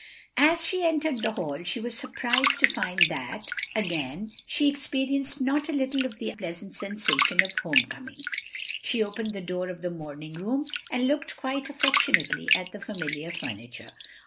As she entered the hall, she was surprised to find that, again, she experienced not a little of the pleasant sensation of home coming. She opened the door of the moming room, and looked quite affectionately at the familiar fur niture.